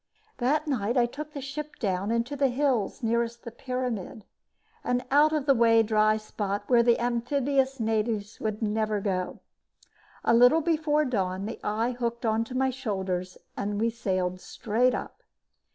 That night I took the ship down into the hills nearest the pyramid, an out of the way dry spot where the amphibious natives would never go. A little before dawn, the eye hooked onto my shoulders and we sailed straight up.